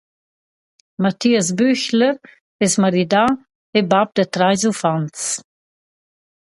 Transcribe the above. Matthias Büchler es maridà e bap da trais uffants.